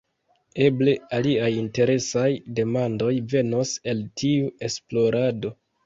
Eble aliaj interesaj demandoj venos el tiu esplorado.